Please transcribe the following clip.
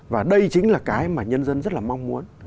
và đây chính là cái mà nhân dân rất là mong muốn